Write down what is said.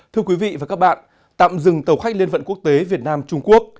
thưa quý vị và các bạn tạm dừng tàu khách liên vận quốc tế việt nam trung quốc